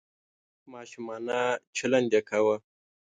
ماشومانه چلند یې کاوه .